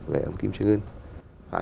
về ông kim trân ngân